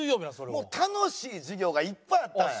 もう楽しい授業がいっぱいあったんや。